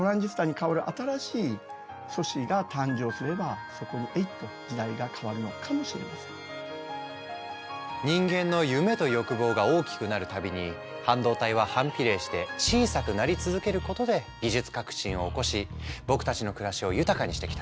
意外とあと１０年２０年３０年と続いていくのかもしれないし人間の夢と欲望が大きくなる度に半導体は反比例して小さくなり続けることで技術革新を起こし僕たちの暮らしを豊かにしてきた。